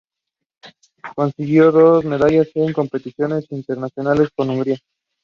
The player can recover at the base camp.